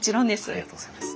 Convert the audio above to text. ありがとうございます。